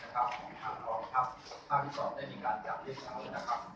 ตัวที่ก็ได้มีการกางประมาณ๑๐๐๐กรัมนะครับ